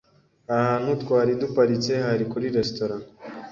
Ahantu twari duparitse hari kuri restaurant